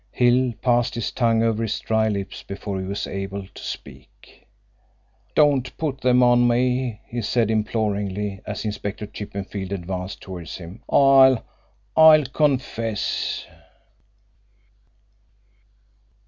Hill passed his tongue over his dry lips before he was able to speak. "Don't put them on me," he said imploringly, as Inspector Chippenfield advanced towards him. "I'll I'll confess!"